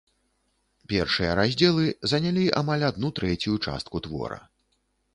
Першыя раздзелы занялі амаль адну трэцюю частку твора.